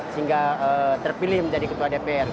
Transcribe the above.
sehingga terpilih menjadi ketua dpr